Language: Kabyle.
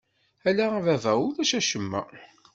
Ala a baba ulac acemma!